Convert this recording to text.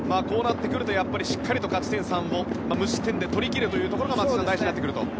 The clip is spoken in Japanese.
こうなってくるとしっかりと勝ち点３を無失点で取りきるというところが大事になってくると。